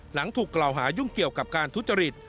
หลังถูกกล่าวหายุ่งเกี่ยวกับการทุจริต